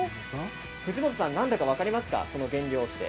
藤本さん何だか分かりますか、その原料って。